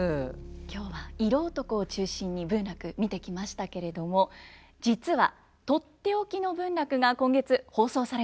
今日は色男を中心に文楽見てきましたけれども実はとっておきの文楽が今月放送されるんです。